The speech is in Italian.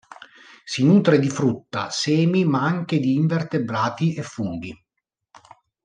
Si nutre di frutta, semi ma anche di invertebrati e funghi.